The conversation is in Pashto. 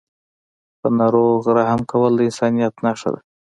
په ناروغ رحم کول د انسانیت نښه ده.